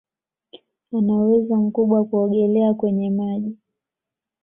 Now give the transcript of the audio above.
Ana uwezo mkubwa kuogelea kwenye maji